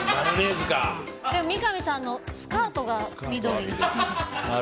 でも三上さんのスカートが緑。